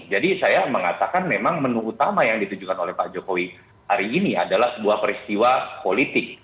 jadi saya mengatakan memang menu utama yang ditujukan oleh pak jokowi hari ini adalah sebuah peristiwa politik